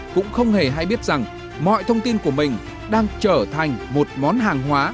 cũng không hề hay biết rằng mọi thông tin của mình đang trở thành một món hàng hóa